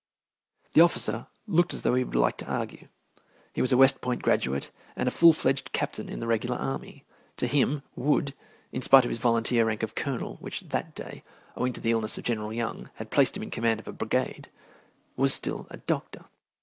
The officer looked as though he would like to argue. He was a West Point graduate and a full fledged captain in the regular army. To him, Wood, in spite of his volunteer rank of colonel, which that day, owing to the illness of General Young, had placed him in command of a brigade, was still a doctor.